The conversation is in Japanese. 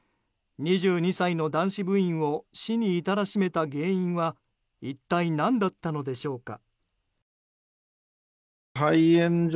２２歳の男子部員を死に至らしめた原因は一体、何だったのでしょうか。